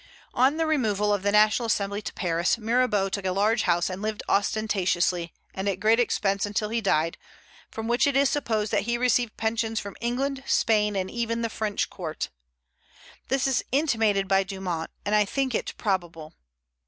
On the removal of the National Assembly to Paris, Mirabeau took a large house and lived ostentatiously and at great expense until he died, from which it is supposed that he received pensions from England, Spain, and even the French Court. This is intimated by Dumont; and I think it probable.